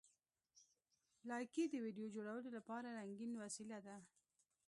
لایکي د ویډیو جوړولو لپاره رنګین وسیله ده.